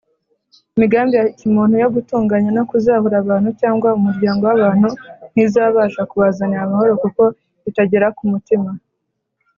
imigambi ya kimuntu yo gutunganya no kuzahura abantu cyangwa umuryango w’abantu ntizabasha kubazanira amahoro kuko itagera ku mutima